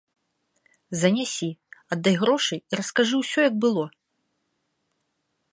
Занясі, аддай грошы і раскажы ўсё, як было.